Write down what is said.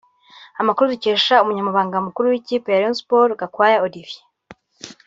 Amakuru dukesha Umunyamabanga Mukuru w’ikipe ya Rayon Sports Gakwaya Olivier